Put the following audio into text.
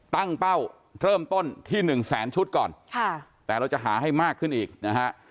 ตั้งเป้าเริ่มต้นที่หนึ่งแสนชุดก่อนค่ะแต่เราจะหาให้มากขึ้นอีกนะฮะ